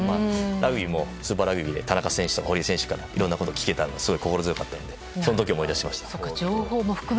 ラグビーもスーパーラグビーで田中選手たちからいろんなことを聞けたのがすごい心強かったのでその時を思い出しました。